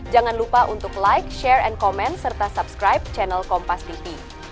jangan lupa untuk like share and comment serta subscribe channel kompastv